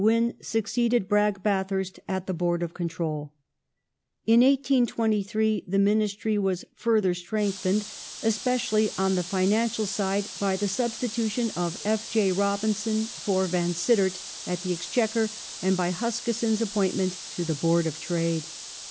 Wynn succeeded Bragge Bathui st at the Board of Control. In 182S the Ministry was further strengthened, especially on the financial side, by the substitution of F. J. Robinson for Vansittart at the Exchequer, and by Huskisson's appointment to the Board of Trade.